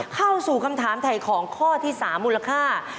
เข้าสู่คำถามถ่ายของข้อที่๓มูลค่า